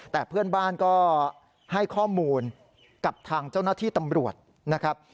แต่เพื่อนบ้านก็ให้ข้อมูลกับทางเจ้าหน้าที่ตำรวจนะครับ